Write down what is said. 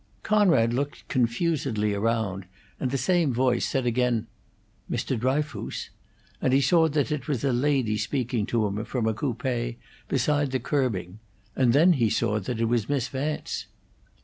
Conrad looked confusedly around, and the same voice said again, "Mr. Dryfoos!" and he saw that it was a lady speaking to him from a coupe beside the curbing, and then he saw that it was Miss Vance.